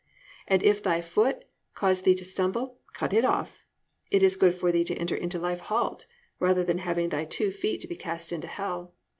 And if thy foot cause thee to stumble, cut it off; it is good for thee to enter into life halt, rather than having thy two feet to be cast into hell.